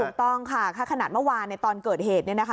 ถูกต้องค่ะถ้าขนาดเมื่อวานในตอนเกิดเหตุเนี่ยนะคะ